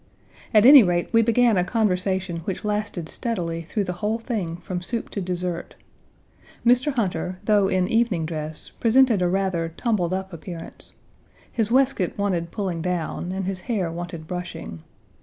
At any rate, we began a conversation which lasted steadily through the whole thing from soup to dessert. Mr. Hunter, though in evening dress, presented a rather tumbled up appearance. His waistcoat wanted pulling down, and his hair wanted brushing.